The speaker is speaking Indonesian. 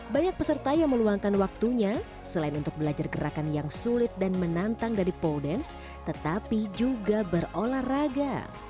banyak peserta yang meluangkan waktunya selain untuk belajar gerakan yang sulit dan menantang dari pole dance tetapi juga berolahraga